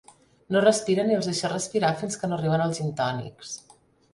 No respira ni els deixa respirar fins que no arriben els gintònics.